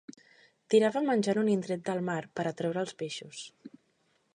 Tirava menjar en un indret del mar per atreure els peixos.